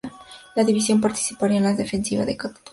La división participaría en la ofensiva de Cataluña.